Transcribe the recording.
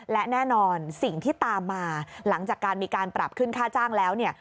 และแน่นอนสิ่งที่ตามมาหลังจากการมีการปรับขึ้นค่าจ้างแล้วเนี่ย